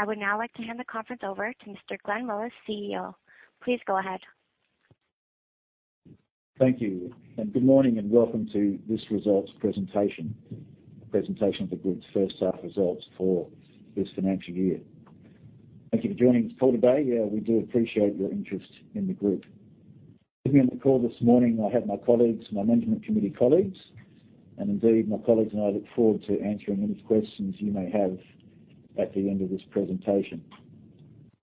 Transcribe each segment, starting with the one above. I would now like to hand the conference over to Mr. Glenn Willis, CEO. Please go ahead. Thank you, and good morning and welcome to this results presentation, a presentation of the group's first half results for this financial year. Thank you for joining this call today. We do appreciate your interest in the group. With me on the call this morning, I have my colleagues, my management committee colleagues, and indeed my colleagues and I look forward to answering any questions you may have at the end of this presentation.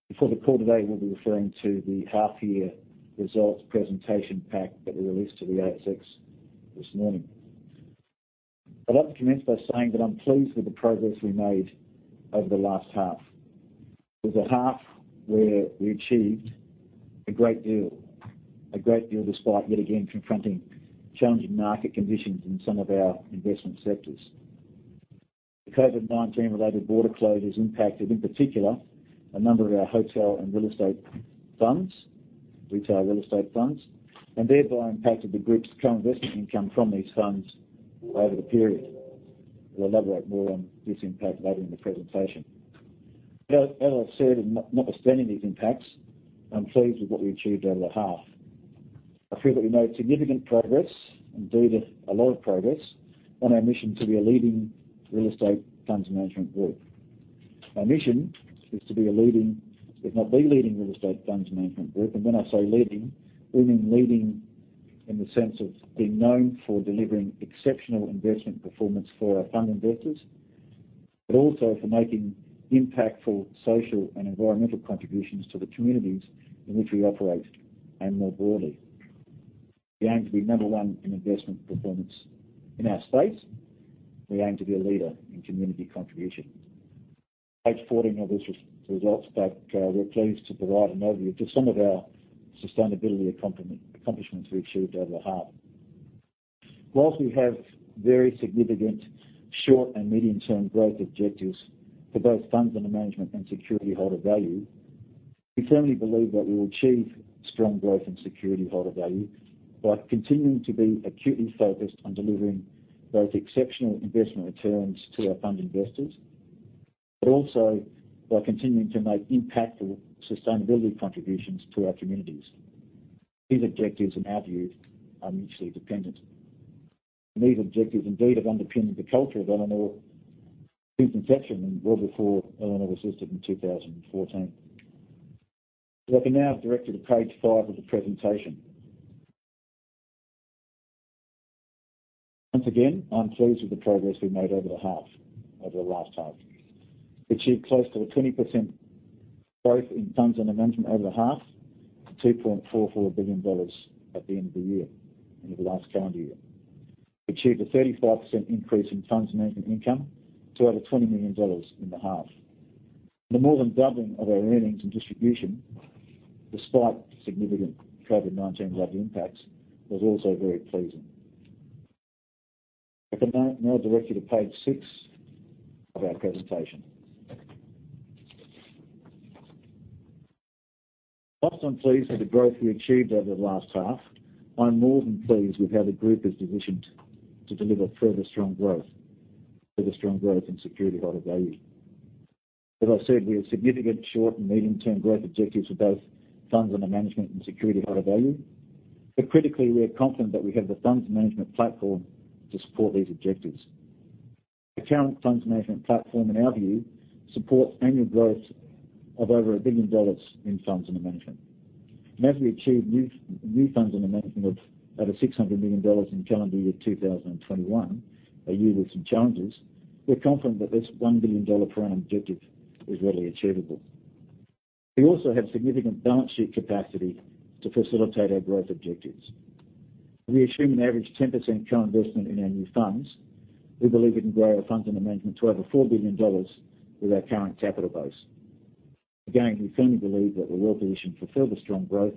Before the call today, we'll be referring to the half year results presentation pack that we released to the ASX this morning. I'd like to commence by saying that I'm pleased with the progress we made over the last half. It was a half where we achieved a great deal, a great deal despite yet again confronting challenging market conditions in some of our investment sectors. The COVID-19 related border closures impacted, in particular, a number of our hotel and real estate funds, retail real estate funds, and thereby impacted the group's co-investment income from these funds over the period. I'll elaborate more on this impact later in the presentation. As I've said, notwithstanding these impacts, I'm pleased with what we achieved over the half. I feel that we made significant progress, indeed a lot of progress, on our mission to be a leading real estate funds management group. Our mission is to be a leading, if not the leading real estate funds management group. When I say leading, we mean leading in the sense of being known for delivering exceptional investment performance for our fund investors, but also for making impactful social and environmental contributions to the communities in which we operate and more broadly. We aim to be number one in investment performance in our space. We aim to be a leader in community contribution. Page 14 of this results pack, we're pleased to provide an overview to some of our sustainability accomplishments we achieved over the half. While we have very significant short and medium-term growth objectives for both funds under management and security holder value, we firmly believe that we will achieve strong growth in security holder value by continuing to be acutely focused on delivering both exceptional investment returns to our fund investors, but also by continuing to make impactful sustainability contributions to our communities. These objectives, in our view, are mutually dependent. These objectives indeed have underpinned the culture of Elanor since inception and well before Elanor was listed in 2014. If I can now direct you to page five of the presentation. Once again, I'm pleased with the progress we made over the last half. We achieved close to a 20% growth in funds under management over the half to 2.44 billion dollars at the end of the last calendar year. We achieved a 35% increase in funds management income to over 20 million dollars in the half. The more than doubling of our earnings and distribution, despite significant COVID-19 related impacts, was also very pleasing. If I can now direct you to page 6 of our presentation. While I'm pleased with the growth we achieved over the last half, I'm more than pleased with how the group is positioned to deliver further strong growth in security holder value. As I said, we have significant short and medium-term growth objectives for both funds under management and security holder value. Critically, we are confident that we have the funds management platform to support these objectives. Our current funds management platform, in our view, supports annual growth of over 1 billion dollars in funds under management. As we achieved new funds under management of over 600 million dollars in calendar year 2021, a year with some challenges, we're confident that this 1 billion dollar per annum objective is readily achievable. We also have significant balance sheet capacity to facilitate our growth objectives. We assume an average 10% co-investment in our new funds. We believe we can grow our funds under management to over 4 billion dollars with our current capital base. Again, we firmly believe that we're well-positioned for further strong growth,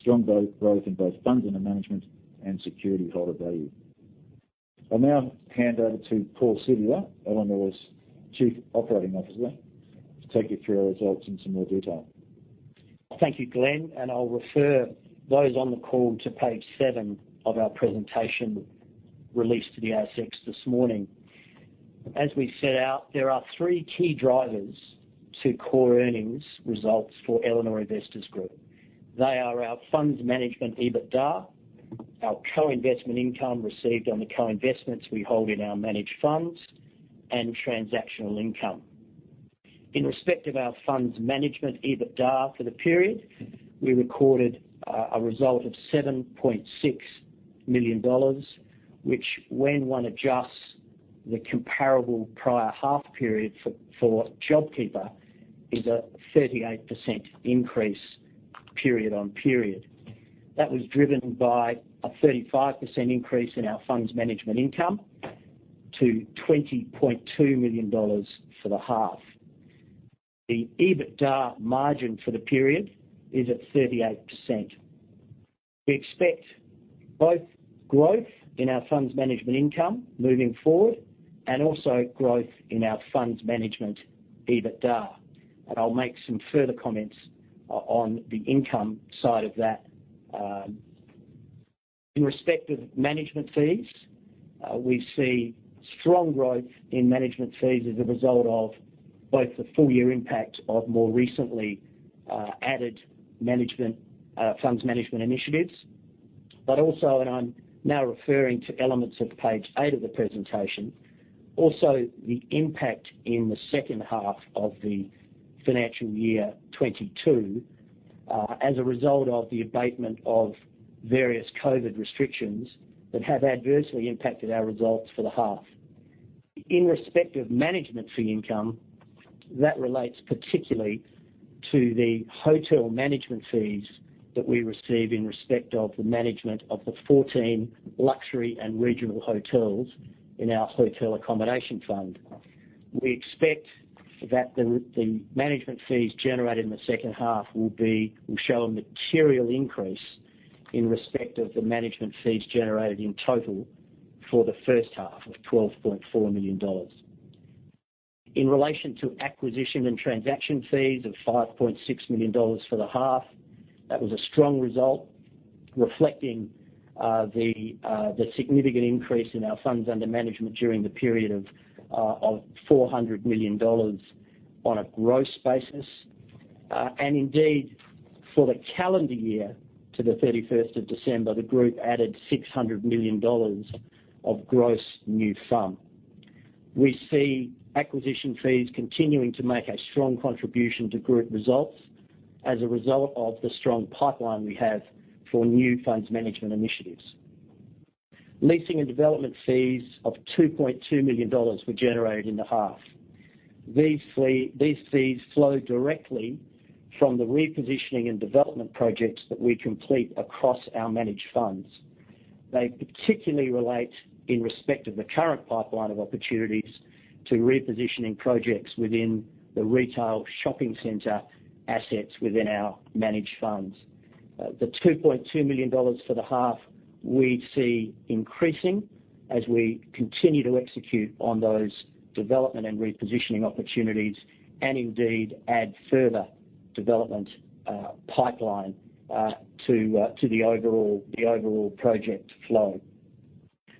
strong growth in both funds under management and security holder value. I'll now hand over to Paul Siviour, Elanor's Chief Operating Officer, to take you through our results in some more detail. Thank you, Glenn. I'll refer those on the call to page seven of our presentation released to the ASX this morning. As we set out, there are three key drivers to core earnings results for Elanor Investors Group. They are our funds management EBITDA, our co-investment income received on the co-investments we hold in our managed funds, and transactional income. In respect of our funds management EBITDA for the period, we recorded a result of 7.6 million dollars, which when one adjusts the comparable prior half period for JobKeeper, is a 38% increase period-on-period. That was driven by a 35% increase in our funds management income to 20.2 million dollars for the half. The EBITDA margin for the period is at 38%. We expect both growth in our funds management income moving forward and also growth in our funds management EBITDA, and I'll make some further comments on the income side of that. In respect of management fees, we see strong growth in management fees as a result of both the full year impact of more recently added management funds management initiatives, but also, and I'm now referring to elements of page eight of the presentation, also the impact in the second half of the financial year 2022, as a result of the abatement of various COVID restrictions that have adversely impacted our results for the half. In respect of management fee income, that relates particularly to the hotel management fees that we receive in respect of the management of the 14 luxury and regional hotels in our hotel accommodation fund. We expect that the management fees generated in the second half will show a material increase in respect of the management fees generated in total for the first half of 12.4 million dollars. In relation to acquisition and transaction fees of 5.6 million dollars for the half, that was a strong result, reflecting the significant increase in our funds under management during the period of 400 million dollars on a gross basis. Indeed, for the calendar year to the thirty-first of December, the group added 600 million dollars of gross new fund. We see acquisition fees continuing to make a strong contribution to group results as a result of the strong pipeline we have for new funds management initiatives. Leasing and development fees of 2.2 million dollars were generated in the half. These fees flow directly from the repositioning and development projects that we complete across our managed funds. They particularly relate in respect of the current pipeline of opportunities to repositioning projects within the retail shopping center assets within our managed funds. 2.2 million dollars for the half we see increasing as we continue to execute on those development and repositioning opportunities, and indeed add further development pipeline to the overall project flow.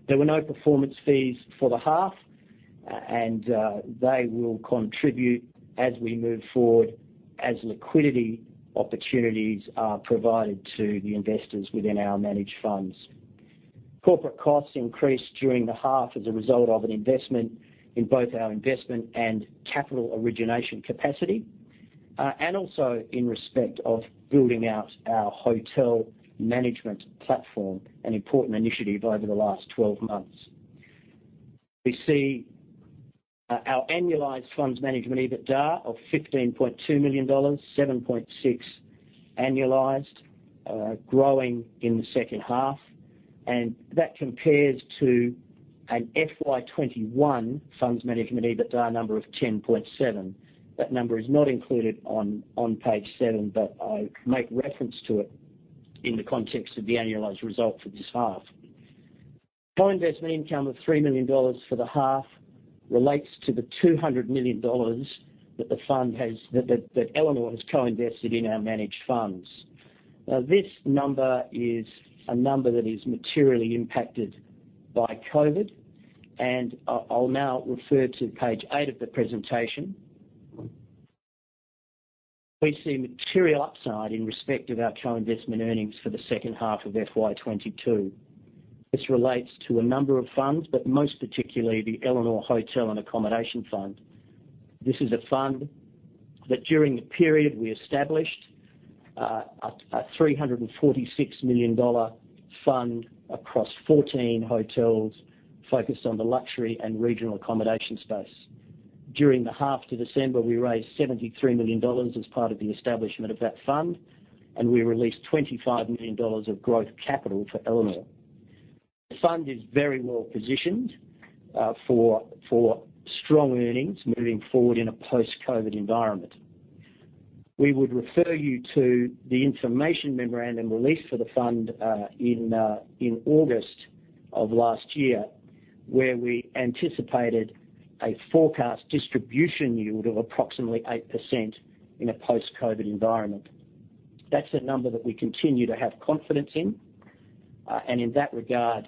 There were no performance fees for the half, and they will contribute as we move forward as liquidity opportunities are provided to the investors within our managed funds. Corporate costs increased during the half as a result of an investment in both our investment and capital origination capacity, and also in respect of building out our hotel management platform, an important initiative over the last 12 months. We see our annualized funds management EBITDA of 15.2 million dollars, 7.6 annualized, growing in the second half, and that compares to an FY 2021 funds management EBITDA number of 10.7. That number is not included on page seven, but I make reference to it in the context of the annualized result for this half. Co-investment income of 3 million dollars for the half relates to the 200 million dollars that Elanor has co-invested in our managed funds. Now this number is a number that is materially impacted by COVID, and I'll now refer to page 8 of the presentation. We see material upside in respect of our co-investment earnings for the second half of FY 2022. This relates to a number of funds, but most particularly the Elanor Hotel Accommodation Fund. This is a fund that during the period we established a 346 million dollar fund across 14 hotels focused on the luxury and regional accommodation space. During the half to December, we raised 73 million dollars as part of the establishment of that fund, and we released 25 million dollars of growth capital for Elanor. The fund is very well positioned for strong earnings moving forward in a post-COVID environment. We would refer you to the information memorandum released for the fund in August of last year, where we anticipated a forecast distribution yield of approximately 8% in a post-COVID environment. That's a number that we continue to have confidence in, and in that regard,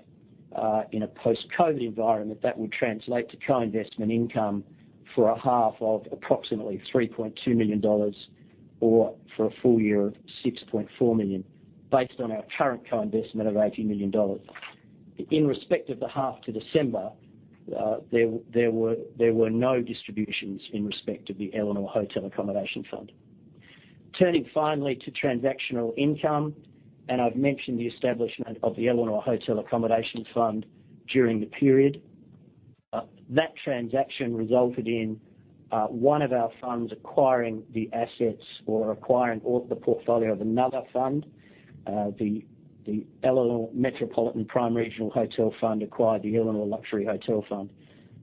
in a post-COVID environment, that will translate to co-investment income for a half of approximately 3.2 million dollars, or for a full year of 6.4 million based on our current co-investment of 80 million dollars. In respect of the half to December, there were no distributions in respect of the Elanor Hotel Accommodation Fund. Turning finally to transactional income, and I've mentioned the establishment of the Elanor Hotel Accommodation Fund during the period. That transaction resulted in one of our funds acquiring the assets or the portfolio of another fund. The Elanor Metro and Prime Regional Hotel Fund acquired the Elanor Luxury Hotel Fund.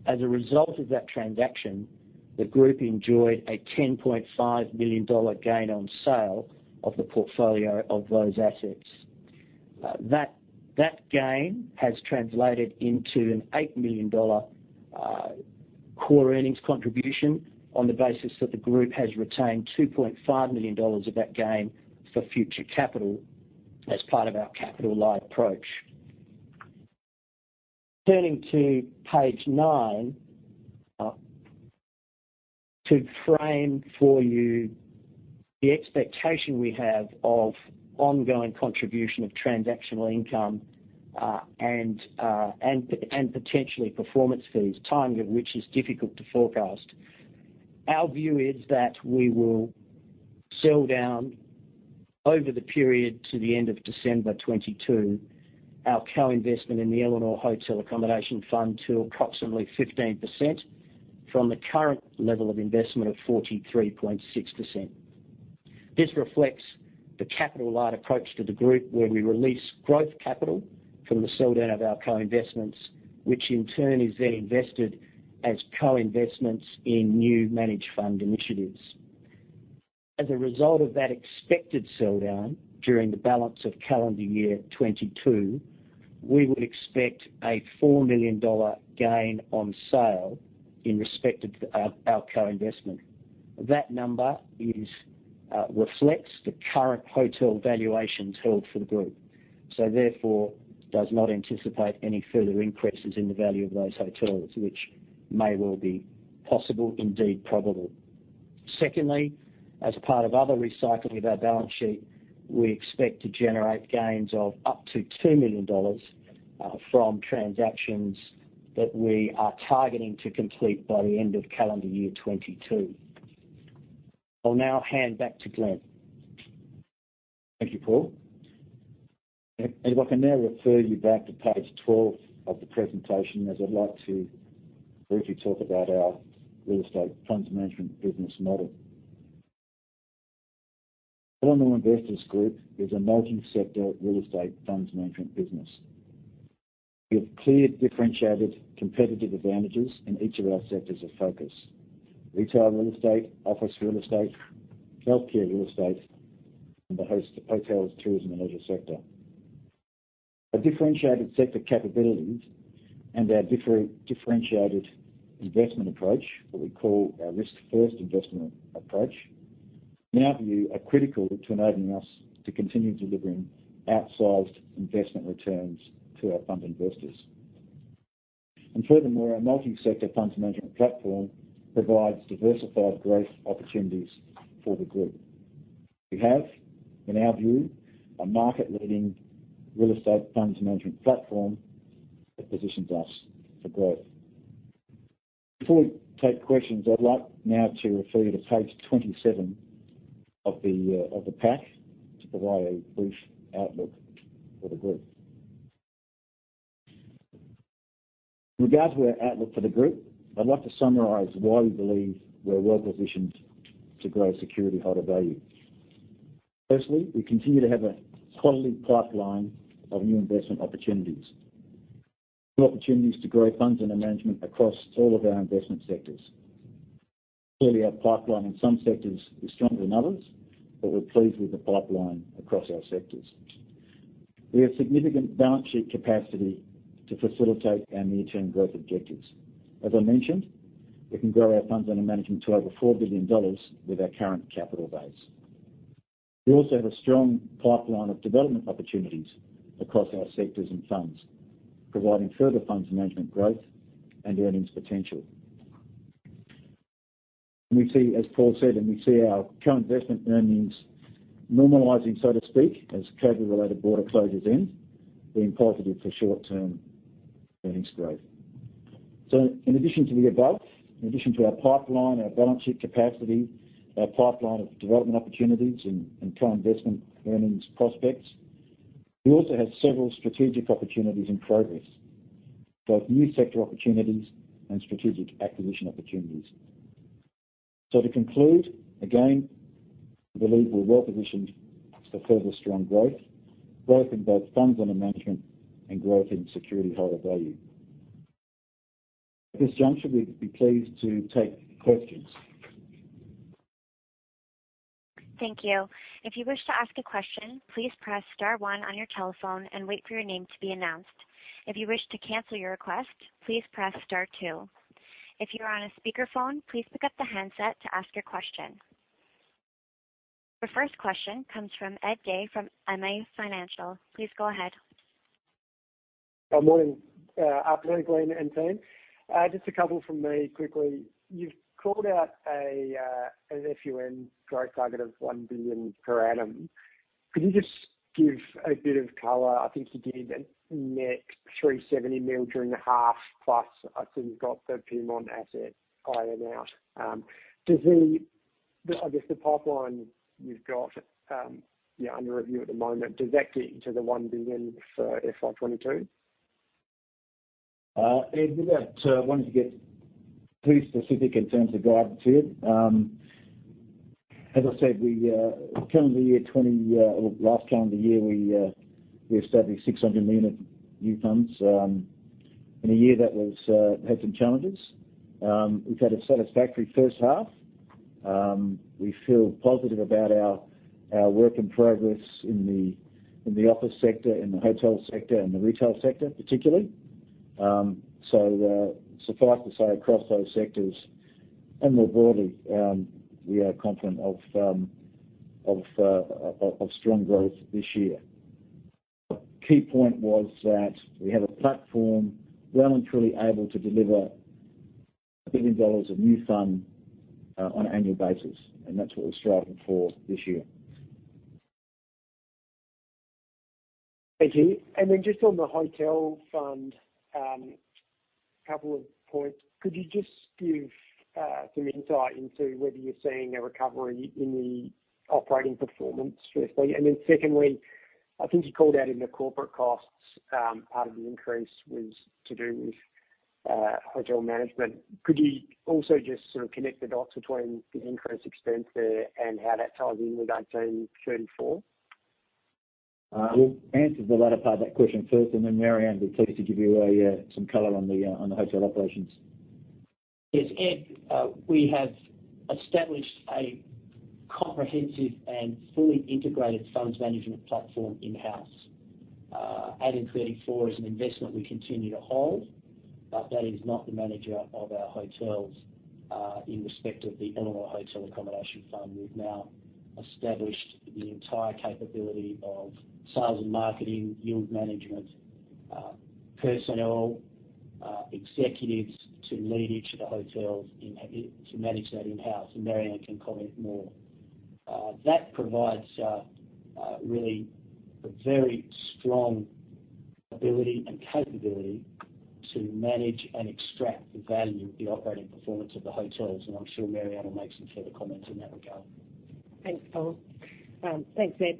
As a result of that transaction, the group enjoyed a 10.5 million dollar gain on sale of the portfolio of those assets. That gain has translated into an 8 million dollar core earnings contribution on the basis that the group has retained 2.5 million dollars of that gain for future capital as part of our capital light approach. Turning to page nine to frame for you the expectation we have of ongoing contribution of transactional income and potentially performance fees, timing of which is difficult to forecast. Our view is that we will sell down over the period to the end of December 2022 our co-investment in the Elanor Hotel Accommodation Fund to approximately 15% from the current level of investment of 43.6%. This reflects the capital light approach to the group, where we release growth capital from the sell down of our co-investments, which in turn is then invested as co-investments in new managed fund initiatives. As a result of that expected sell down during the balance of calendar year 2022, we would expect an 4 million dollar gain on sale in respect to our co-investment. That number reflects the current hotel valuations held for the group, so therefore does not anticipate any further increases in the value of those hotels, which may well be possible, indeed probable. Secondly, as part of other recycling of our balance sheet, we expect to generate gains of up to 2 million dollars from transactions that we are targeting to complete by the end of calendar year 2022. I'll now hand back to Glenn. Thank you, Paul. If I can now refer you back to page 12 of the presentation as I'd like to briefly talk about our real estate funds management business model. Elanor Investors Group is a multi-sector real estate funds management business. We have clear differentiated competitive advantages in each of our sectors of focus: retail real estate, office real estate, healthcare real estate, and the hospitality, hotels, tourism and leisure sector. Our differentiated sector capabilities and our differentiated investment approach, what we call our risk-first investment approach, in our view, are critical to enabling us to continue delivering outsized investment returns to our fund investors. Furthermore, our multi-sector funds management platform provides diversified growth opportunities for the group. We have, in our view, a market-leading real estate funds management platform that positions us for growth. Before we take questions, I'd like now to refer you to page 27 of the pack to provide a brief outlook for the group. In regards to our outlook for the group, I'd like to summarize why we believe we're well-positioned to grow security holder value. Firstly, we continue to have a quality pipeline of new investment opportunities. New opportunities to grow funds under management across all of our investment sectors. Clearly, our pipeline in some sectors is stronger than others, but we're pleased with the pipeline across our sectors. We have significant balance sheet capacity to facilitate our near-term growth objectives. As I mentioned, we can grow our funds under management to over 4 billion dollars with our current capital base. We also have a strong pipeline of development opportunities across our sectors and funds, providing further funds management growth and earnings potential. We see, as Paul said, and we see our current investment earnings normalizing, so to speak, as COVID-related border closures end, being positive for short-term earnings growth. In addition to the above, in addition to our pipeline, our balance sheet capacity, our pipeline of development opportunities and current investment earnings prospects, we also have several strategic opportunities in progress, both new sector opportunities and strategic acquisition opportunities. To conclude, again, we believe we're well-positioned for further strong growth in both funds under management and growth in security holder value. At this juncture, we'd be pleased to take questions. Thank you. If you wish to ask a question, please press star one on your telephone and wait for your name to be announced. If you wish to cancel your request, please press star two. If you are on a speakerphone, please pick up the handset to ask your question. Your first question comes from Ed Day from MA Financial. Please go ahead. Good morning, afternoon, Glenn and team. Just a couple from me quickly. You've called out an FUM growth target of 1 billion per annum. Could you just give a bit of color? I think you gave a net 370 million during the half, plus I assume you got the Pyrmont asset ironed out. Does the pipeline you've got under review at the moment get you to the 1 billion for FY 2022? Ed, look, I wanted to get pretty specific in terms of guidance here. As I said, calendar year 2020 or last calendar year, we established 600 million of new funds in a year that had some challenges. We've had a satisfactory first half. We feel positive about our work in progress in the office sector, in the hotel sector, and the retail sector, particularly. Suffice to say, across those sectors and more broadly, we are confident of strong growth this year. Key point was that we have a platform well and truly able to deliver 1 billion dollars of new fund on an annual basis, and that's what we're striving for this year. Thank you. Just on the hotel fund, couple of points. Could you just give some insight into whether you're seeing a recovery in the operating performance, firstly? Secondly, I think you called out in the corporate costs, part of the increase was to do with hotel management. Could you also just sort of connect the dots between the increased expense there and how that ties in with 1834? We'll answer the latter part of that question first, and then Marianne will be pleased to give you some color on the hotel operations. Yes, Ed, we have established a comprehensive and fully integrated funds management platform in-house. 1834 Hospitality is an investment we continue to hold, but that is not the manager of our hotels. In respect of the Elanor Hotel Accommodation Fund, we've now established the entire capability of sales and marketing, yield management, personnel, executives to lead each of the hotels to manage that in-house, and Marianne can comment more. That provides a really, a very strong ability and capability to manage and extract the value of the operating performance of the hotels, and I'm sure Marianne will make some further comments on that regard. Thanks, Paul. Thanks, Ed.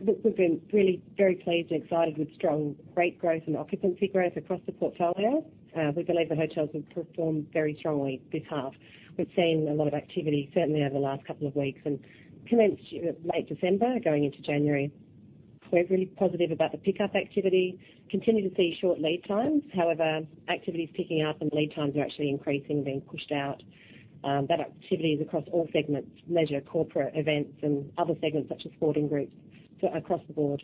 Look, we've been really very pleased and excited with strong rate growth and occupancy growth across the portfolio. We believe the hotels have performed very strongly this half. We've seen a lot of activity, certainly over the last couple of weeks and commenced late December, going into January. We're really positive about the pickup activity and continue to see short lead times. However, activity is picking up, and lead times are actually increasing, being pushed out. That activity is across all segments, leisure, corporate events and other segments such as sporting groups, so across the board.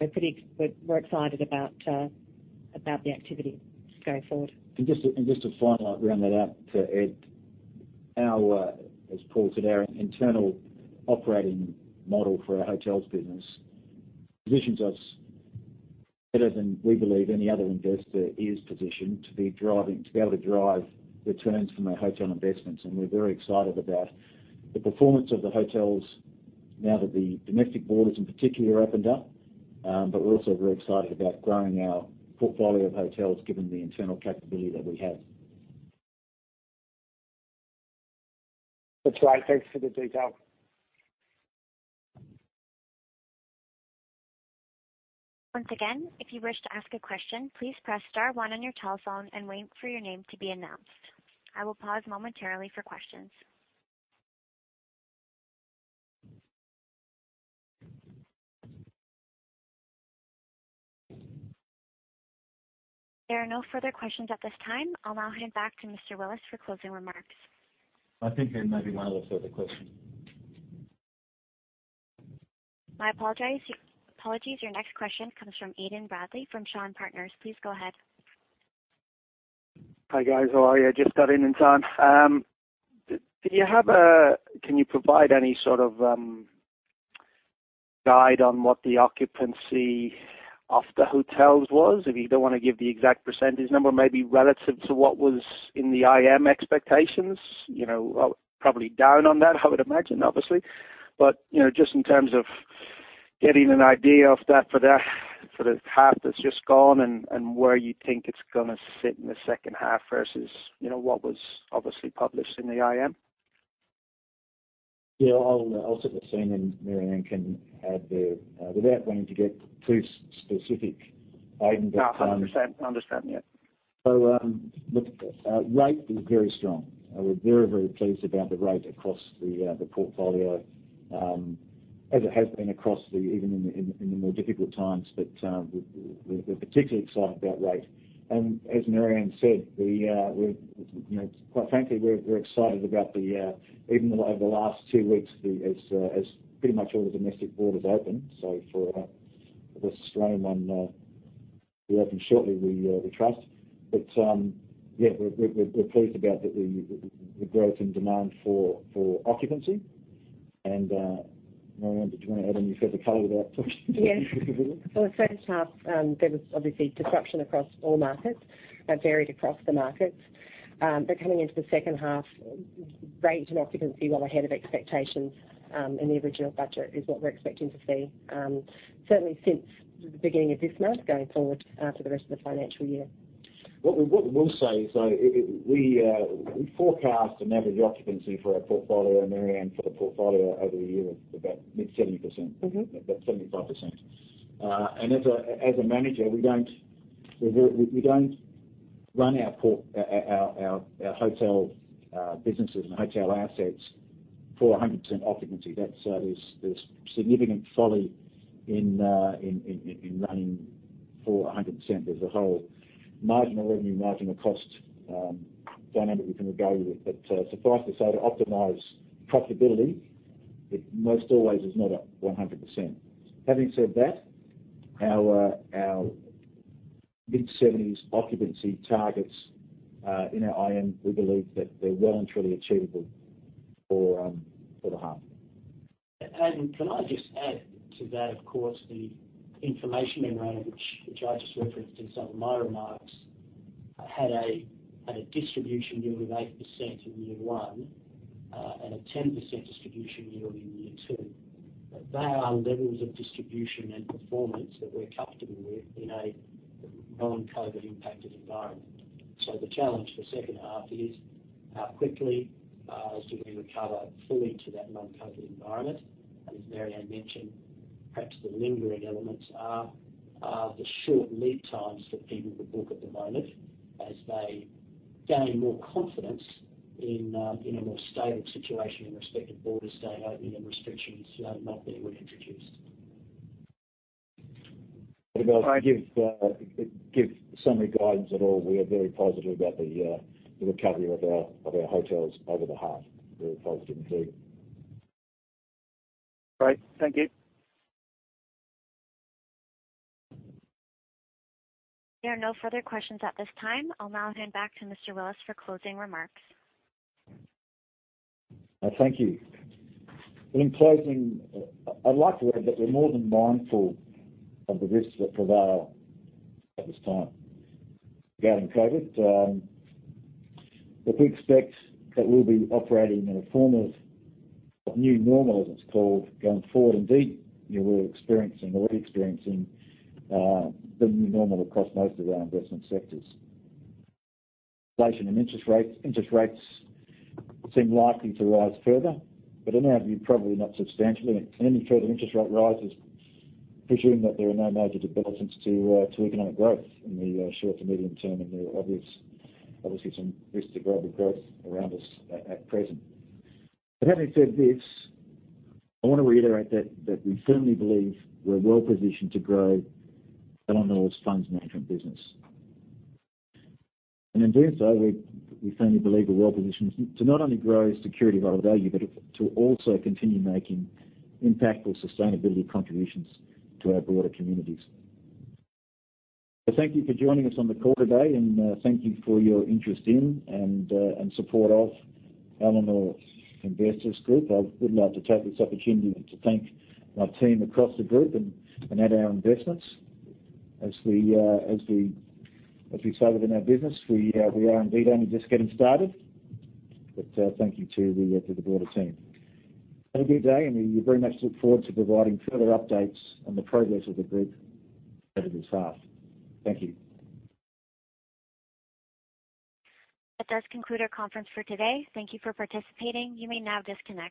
We're excited about the activity going forward. Just to follow up, round that out to Ed. As Paul said, our internal operating model for our hotels business positions us better than we believe any other investor is positioned to be able to drive returns from our hotel investments. We're very excited about the performance of the hotels now that the domestic borders in particular opened up. We're also very excited about growing our portfolio of hotels given the internal capability that we have. That's great. Thanks for the detail. Once again, if you wish to ask a question, please press star one on your telephone and wait for your name to be announced. I will pause momentarily for questions. There are no further questions at this time. I'll now hand back to Mr. Willis for closing remarks. I think there may be one or two other questions. Apologies. Your next question comes from Aiden Bradley from Shaw and Partners. Please go ahead. Hi, guys. How are you? Just got in time. Can you provide any sort of guide on what the occupancy of the hotels was? If you don't wanna give the exact percentage number, maybe relative to what was in the IM expectations. You know, probably down on that, I would imagine, obviously. You know, just in terms of getting an idea of that for the half that's just gone and where you think it's gonna sit in the second half versus, you know, what was obviously published in the IM. Yeah, I'll take a swing, and Marianne can add there. Without wanting to get too specific, Aidan, but No, 100%. I understand, yeah. Look, rate is very strong. We're very, very pleased about the rate across the portfolio, as it has been across, even in the more difficult times. We're particularly excited about rate. As Marianne said, we're, you know, quite frankly, we're excited about that, even over the last two weeks as pretty much all the domestic borders open, so for the Australian one will open shortly, we trust. Yeah, we're pleased about the growth in demand for occupancy. Marianne, did you want to add any further color to that point as well? Yes. For the first half, there was obviously disruption across all markets, varied across the markets. Coming into the second half, rates and occupancy well ahead of expectations, in the original budget is what we're expecting to see, certainly since the beginning of this month, going forward, for the rest of the financial year. What we'll say is, though, we forecast an average occupancy for our portfolio, Marianne, for the portfolio over the year of about mid-70%. Mm-hmm. About 75%. As a manager, we don't run our hotel businesses and hotel assets for 100% occupancy. That's significant folly in running for 100%. There's a whole marginal revenue, marginal cost dynamic we can go with. Suffice to say, to optimize profitability, it most always is not at 100%. Having said that, our mid-seventies occupancy targets in our IM, we believe that they're well and truly achievable for the half. Can I just add to that, of course, the information memorandum which I just referenced in some of my remarks had a distribution yield of 8% in year one, and a 10% distribution yield in year two. They are levels of distribution and performance that we're comfortable with in a non-COVID impacted environment. The challenge for second half is how quickly do we recover fully to that non-COVID environment? As Marianne mentioned, perhaps the lingering elements are the short lead times that people would book at the moment as they gain more confidence in a more stable situation with respect to borders staying open and restrictions not being reintroduced. If I give summary guidance at all, we are very positive about the recovery of our hotels over the half. We're positive indeed. Great. Thank you. There are no further questions at this time. I'll now hand back to Mr. Willis for closing remarks. Thank you. In closing, I'd like to add that we're more than mindful of the risks that prevail at this time regarding COVID. We expect that we'll be operating in a form of new normal, as it's called, going forward. Indeed, we're experiencing the new normal across most of our investment sectors. Inflation and interest rates seem likely to rise further, but in our view, probably not substantially. Any further interest rate rises, presuming that there are no major developments to economic growth in the short to medium term, and there are obviously some risks to global growth around us at present. Having said this, I want to reiterate that we firmly believe we're well-positioned to grow Elanor Funds Management business. In doing so, we firmly believe we're well-positioned to not only grow shareholder value, but to also continue making impactful sustainability contributions to our broader communities. Thank you for joining us on the call today, and thank you for your interest in and support of Elanor Investors Group. I would like to take this opportunity to thank my team across the group and at our investments. As we say within our business, we are indeed only just getting started. Thank you to the broader team. Have a good day, and we very much look forward to providing further updates on the progress of the group in due course. Thank you. That does conclude our conference for today. Thank you for participating. You may now disconnect.